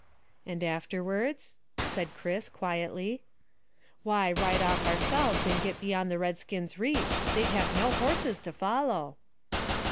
"And afterwards?" said Chris quietly. "Why, ride off ourselves and get beyond the redskins' reach. They'd have no horses to follow."